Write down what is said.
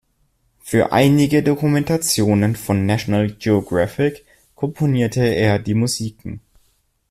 Für einige Dokumentationen von National Geographic komponierte er die Musiken.